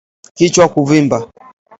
Kichwa kuvimba